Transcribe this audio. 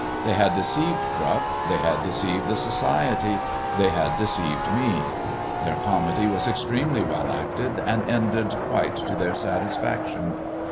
They had deceived Drupp, they had deceived the society, they had deceived me. Their comedy was extremely well acted, and ended quite to their satisfaction.